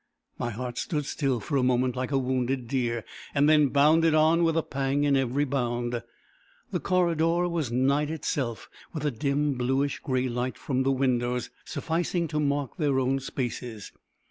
My heart stood still for a moment, like a wounded deer, and then bounded on, with a pang in every bound. The corridor was night itself, with a dim, bluish grey light from the windows, sufficing to mark their own spaces.